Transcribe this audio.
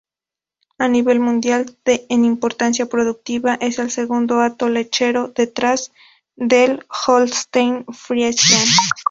A nivel mundial, en importancia productiva, es el segundo hato lechero, detrás del "Holstein-Friesian".